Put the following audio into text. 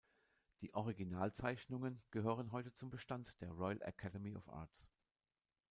Die Original-Zeichnungen gehören heute zum Bestand der Royal Academy of Arts.